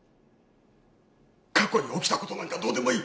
過去に起きた事なんかどうでもいい。